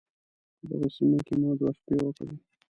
په دغې سيمې کې مو دوه شپې وکړې.